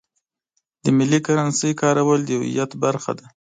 د ملي کرنسۍ کارول د هویت برخه ده.